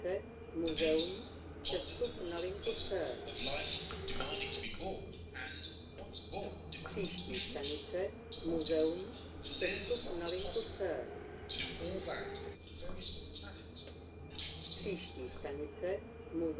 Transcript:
The painter pondered the mournful puzzle of life demanding to be born and, once born, demanding to be fruitful ... to multiply and to live as long as possible to do all that on a very small planet that would have to last forever.